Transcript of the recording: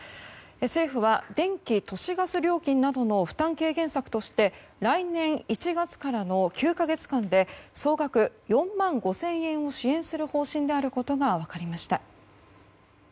政府は電気・都市ガス料金の負担軽減策として来年１月からの９か月間で総額４万５０００円を支援する方針であることが分かりました。